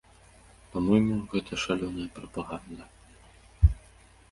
Па-мойму, гэта шалёная прапаганда.